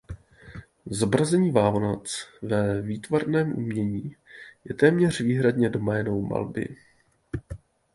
Zobrazení Vánoc ve výtvarném umění je téměř výhradně doménou malby.